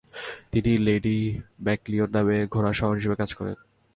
তিনি Lady McLeod নামে ঘোড়শওয়ার হিসেবে কাজ করেন।